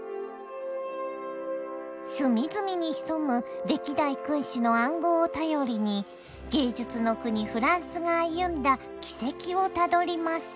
隅々に潜む歴代君主の暗号を頼りに芸術の国フランスが歩んだ軌跡をたどります。